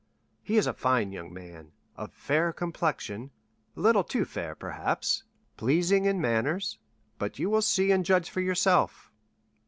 He is a fine young man, of fair complexion—a little too fair, perhaps—pleasing in manners; but you will see and judge for yourself."